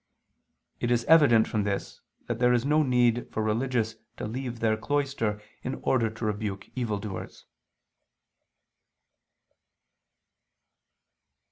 It is evident from this that there is no need for religious to leave their cloister in order to rebuke evil doers.